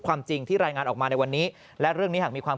ความจริงที่รายงานออกมาในวันนี้และเรื่องนี้หากมีความ